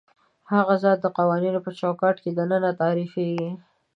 د هغه ذات د قوانینو په چوکاټ کې دننه تعریفېږي.